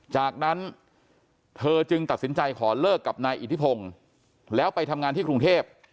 จากนั้นเธอจึงตัดสินใจขอเลิกกับนายอิทธิพงศ์แล้วไปทำงานที่กรุงเทพ